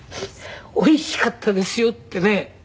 「おいしかったですよ」ってね